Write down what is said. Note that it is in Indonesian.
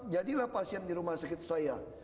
jadilah pasien di rumah sakit saya